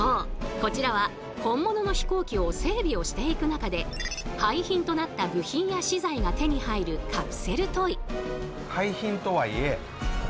こちらは本物の飛行機を整備をしていく中で廃品となった部品や資材が手に入るカプセルトイ。